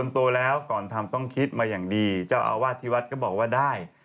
โตแล้วก่อนทำต้องคิดมาอย่างดีเจ้าอาวาสที่วัดก็บอกว่าได้